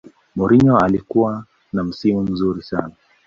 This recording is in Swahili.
mourinho alikuwa na msimu mzuri sana